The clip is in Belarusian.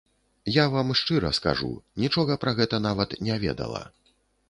Я вам шчыра скажу, нічога пра гэта нават не ведала.